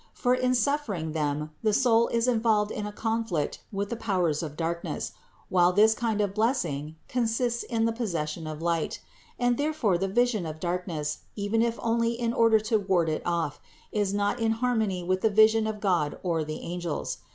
For in suffering them the soul is involved in a conflict with the powers of darkness, while this kind of blessing consists in the possession of light; and therefore the vision of darkness, even if only in order to ward it off, is not in harmony with the vision of God or the angels.